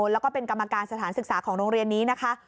แล้วก็เป็นกรรมการสถานศึกษาของโรงเรียนนี้นะคะ